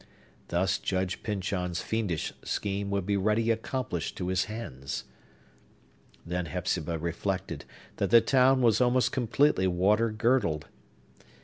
Thus Judge Pyncheon's fiendish scheme would be ready accomplished to his hands! Then Hepzibah reflected that the town was almost completely water girdled.